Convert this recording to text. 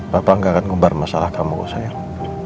papa gak akan ngebar masalah kamu kok sayang